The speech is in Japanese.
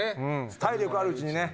体力あるうちにね。